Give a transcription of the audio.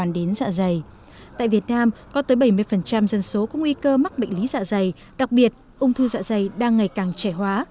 bảy mươi dân số có nguy cơ mắc bệnh lý dạ dày đặc biệt ung thư dạ dày đang ngày càng trẻ hóa